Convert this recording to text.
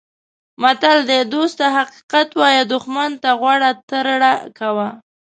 متل دی: دوست ته حقیقت وایه دوښمن ته غوره ترړه کوه.